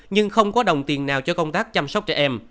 nhưng không có đồng tiền nào cho công tác chăm sóc trẻ em